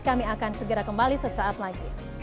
kami akan segera kembali sesaat lagi